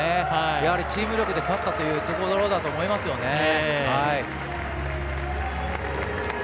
やはりチーム力で勝ったというところだと思います。